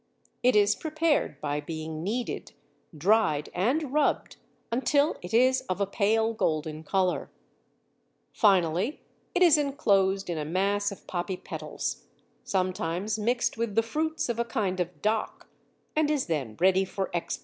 It is prepared by being kneaded, dried, and rubbed until it is of a pale golden colour. Finally, it is enclosed in a mass of poppy petals, sometimes mixed with the fruits of a kind of dock, and is then ready for export.